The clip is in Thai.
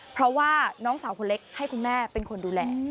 เพราะว่าน้องสาวคนเล็กให้คุณแม่เป็นคนดูแล